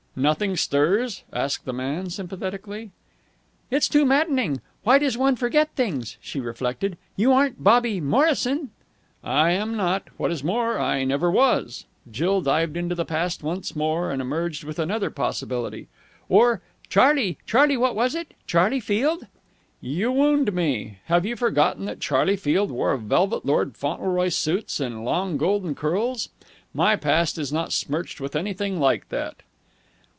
"Nothing stirs?" asked the man sympathetically. "It's too maddening! Why does one forget things?" She reflected. "You aren't Bobby Morrison?" "I am not. What is more, I never was!" Jill dived into the past once more and emerged with another possibility. "Or Charlie Charlie what was it? Charlie Field?" "You wound me! Have you forgotten that Charlie Field wore velvet Lord Fauntleroy suits and long golden curls? My past is not smirched with anything like that."